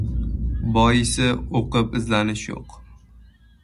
Boisi, o‘qib-izlanish yo‘q.